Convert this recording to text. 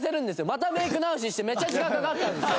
またメイク直ししてめっちゃ時間かかったんですよ！